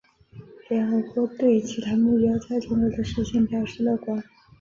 联合国对其他目标在中国的实现表示乐观。